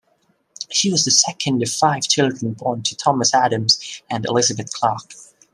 She was the second of five children born to Thomas Adams and Elizabeth Clark.